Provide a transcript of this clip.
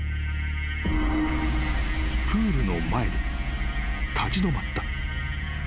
［プールの前で立ち止まった］